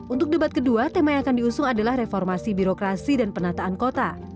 untuk debat kedua tema yang akan diusung adalah reformasi birokrasi dan penataan kota